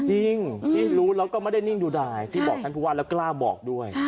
จริงที่รู้แล้วก็ไม่ได้นิ่งดูดายที่บอกท่านผู้ว่าแล้วกล้าบอกด้วย